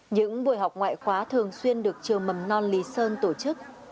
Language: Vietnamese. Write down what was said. những buổi học ngoại khóa thường xuyên được trường mầm non lý sơn tổ chức